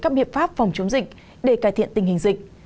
các biện pháp phòng chống dịch để cải thiện tình hình dịch